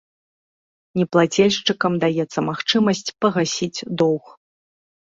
Неплацельшчыкам даецца магчымасць пагасіць доўг.